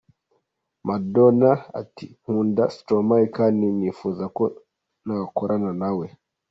Madonna ati “Nkunda Stromae kandi nifuza ko nakorana na we”.